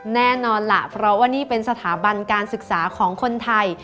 แน่นอนล่ะเพราะว่านี่เป็นสถาบันการศึกษาของคนไทย